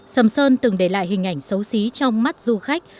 sầm sơn từng để lại hình ảnh xấu xí trong mắt du khách